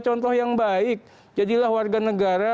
contoh yang baik jadilah warga negara